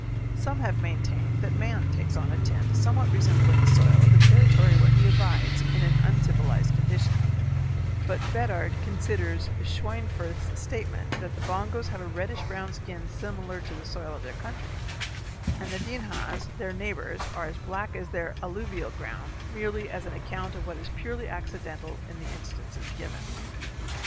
Some have maintained that man takes on a tint somewhat resembling the soil of the territory where he abides in an uncivilized condition, but Beddard considers Schweinfurth's statement that the Bongos have a reddish brown skin similar to the soil of their country, and the Dinhas, their neighbors, are as black as their alluvial ground, merely as an account of what is purely accidental in the instances given.